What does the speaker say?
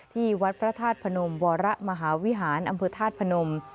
ที่วัดพระธาตุพนมวรมหาวิหารอำเภอธาตุพนม